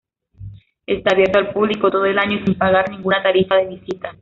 Está abierto al público todo el año y sin pagar ninguna tarifa de visita.